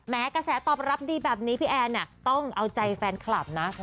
กระแสตอบรับดีแบบนี้พี่แอนต้องเอาใจแฟนคลับนะ